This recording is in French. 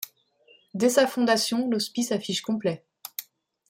Dès sa fondation, l'hospice affiche complet.